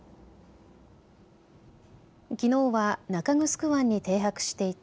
きのうは中城湾に停泊していた